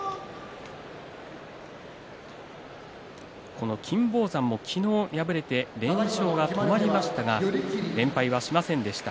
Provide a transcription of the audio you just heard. この金峰山も昨日敗れて連勝が止まりましたが連敗はしませんでした。